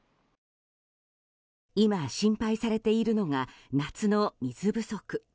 今、心配されているのが夏の水不足。